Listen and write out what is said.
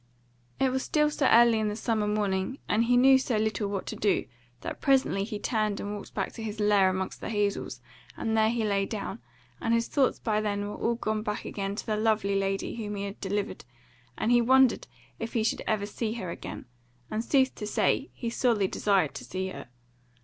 It was still so early in the summer morning, and he knew so little what to do, that presently he turned and walked back to his lair amongst the hazels, and there he lay down, and his thoughts by then were all gone back again to the lovely lady whom he had delivered, and he wondered if he should ever see her again, and, sooth to say, he sorely desired to see her.